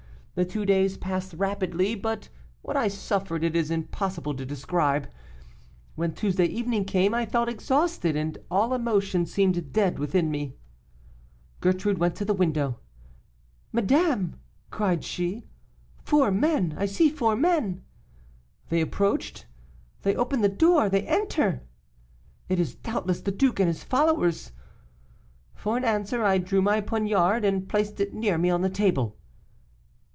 The two days passed rapidly, but what I suffered it is impossible to describe. When Tuesday evening came, I felt exhausted, and all emotion seemed dead within me. "Gertrude went to the window. 'Madame,' cried she, 'four men! I see four men! They approach, they open the door they enter! It is, doubtless, the duke and his followers.' For an answer, I drew my poniard, and placed it near me on the table.